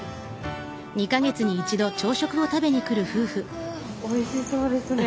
うわっおいしそうですね。